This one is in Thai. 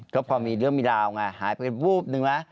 ก็พอเดี๋ยวมีราวนะหายไปเป็นรูปนึงนะ